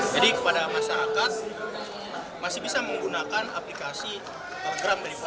jadi kepada masyarakat masih bisa menggunakan aplikasi telegram